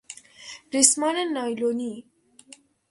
ریسمان نایلونی